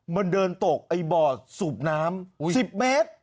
มันเดินตกไอ้บ่อสูบน้ำ๑๐เมตร